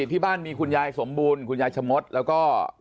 ที่บ้านมีคุณยายสมบูรณ์คุณยายชะมดแล้วก็